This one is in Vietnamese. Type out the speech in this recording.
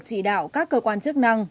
tích cực chỉ đạo các cơ quan chức năng